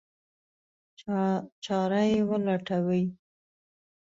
چاره یې ولټوي.